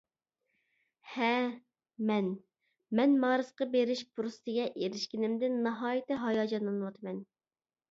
ھە. مەن. مەن مارسقا بېرىش پۇرسىتىگە ئېرىشكىنىمدىن ناھايىتى ھاياجانلىنىۋاتىمەن.